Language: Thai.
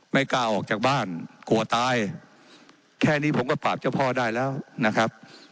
ไม่กล้าออกจากบ้านกลัวตายแค่นี้ผมก็ปราบเจ้าพ่อได้แล้วนะครับ